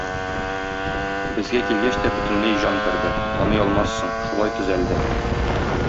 Безгә килгәч тә бөтенләй җан керде, таный алмассың, шулай төзәлде...